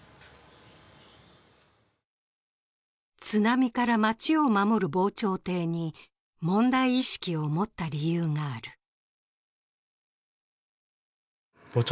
津波から街を守る防潮堤に問題意識を持った理由がある。